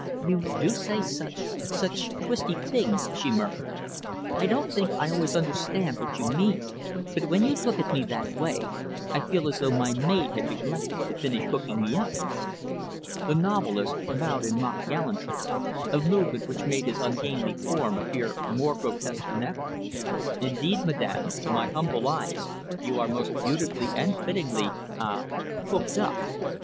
"You do say such such twisty things," she murmured. "I don't think I always understand what you mean; but when you look at me that way, I feel as though my maid had neglected to finish hooking me up." The novelist bowed in mock gallantry a movement which made his ungainly form appear more grotesque than ever. "Indeed, madam, to my humble eyes, you are most beautifully and fittingly ah hooked up."